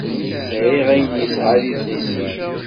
Sεiɣ ayen yesεa d idlisen.